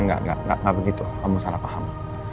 nggak begitu kamu salah paham